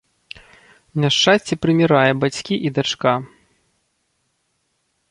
Няшчасце прымірае бацькі і дачка.